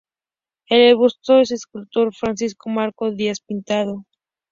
El busto es del escultor Francisco Marco Díaz-Pintado.